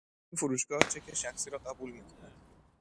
این فروشگاه چک شخصی را قبول میکند.